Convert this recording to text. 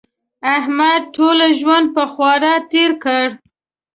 احمد ټول ژوند په خواري تېر کړ.